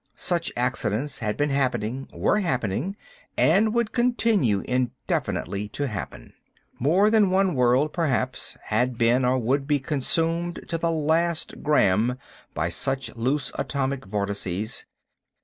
Such accidents had been happening, were happening, and would continue indefinitely to happen. More than one world, perhaps, had been or would be consumed to the last gram by such loose atomic vortices.